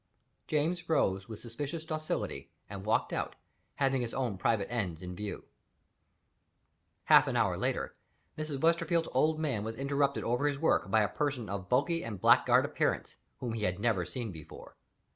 James rose with suspicious docility, and walked out, having his own private ends in view. Half an hour later, Mrs. Westerfield's old man was interrupted over his work by a person of bulky and blackguard appearance, whom he had never seen before.